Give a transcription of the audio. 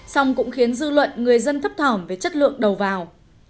xong cũng khiến dư luận người dân thấp thỏm về chất lượng đầu vào